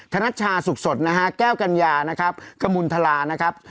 นัชชาสุขสดนะฮะแก้วกัญญานะครับกมุณฑลานะครับ